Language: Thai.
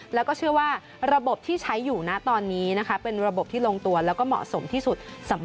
แล้วก็เชื่อว่าระบบที่ใช้อยู่นะตอนนี้นะคะเป็นระบบที่ลงตัวแล้วก็เหมาะสมที่สุด